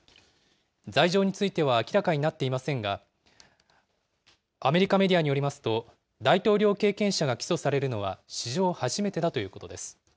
罪状については明らかになっていませんが、アメリカメディアによりますと、大統領経験者が起訴されるのは史上初めてだということです。